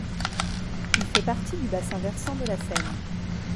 Il fait partie du bassin versant de la Seine.